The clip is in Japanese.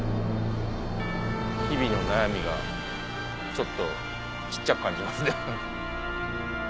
日々の悩みがちょっと小っちゃく感じますね。